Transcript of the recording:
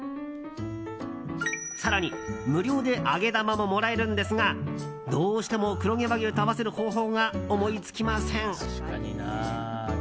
更に、無料で揚げ玉ももらえるんですがどうしても黒毛和牛と合わせる方法が思いつきません。